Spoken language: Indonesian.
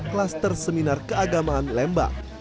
klaster seminar keagamaan lemba